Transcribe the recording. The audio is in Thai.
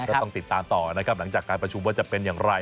ก็ต้องติดตามต่อนะครับหลังจากการประชุมว่าจะเป็นอย่างไร